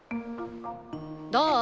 どう？